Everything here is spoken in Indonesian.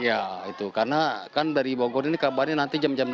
ya itu karena kan dari bogor ini kabarnya nanti jam jam dua